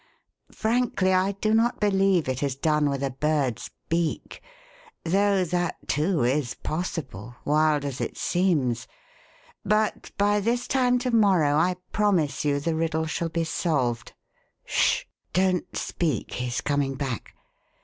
Frankly I do not believe it is done with a bird's beak though that, too, is possible, wild as it seems but by this time to morrow I promise you the riddle shall be solved. Sh h! Don't speak he's coming back.